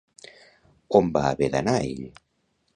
On va haver d'anar ell?